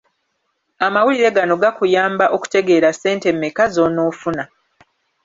Amawulire gano gakuyamba okutegeera ssente mmeka z’onoofuna.